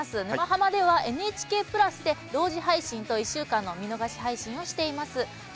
「沼ハマ」では「ＮＨＫ＋」で同時配信と１週間の見逃し配信をしています。